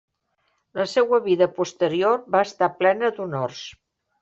La seua vida posterior va estar plena d'honors.